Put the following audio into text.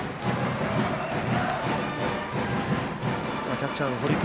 キャッチャーの堀君